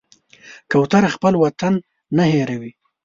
کوتره خپل وطن نه هېروي.